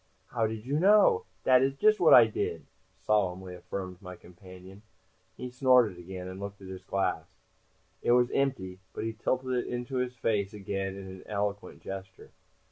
"How did you know? Dat is just what I did," solemnly affirmed my companion. He snorted again, and looked at his glass. It was empty, but he tilted it into his face again in an eloquent gesture.